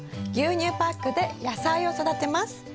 牛乳パックで野菜を育てます。